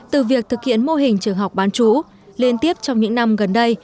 từ việc thực hiện mô hình trường học bán chú liên tiếp trong những năm gần đây